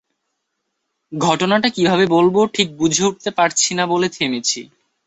ঘটনাটা কীভাবে বলব ঠিক বুঝে উঠতে পারছি না বলে থেমেছি।